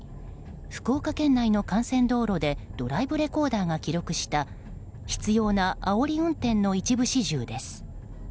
福岡県内の幹線道路でドライブレコーダーが記録した執拗な、あおり運転の一部始終です。